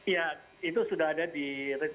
ya itu sudah ada di